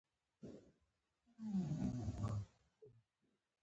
د مسؤلیت له مخې پر مخ بوځي.